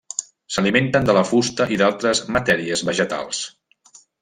S'alimenten de la fusta i d'altres matèries vegetals.